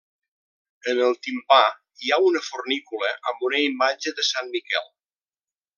En el timpà hi ha una fornícula amb una imatge de sant Miquel.